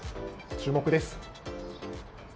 注目です。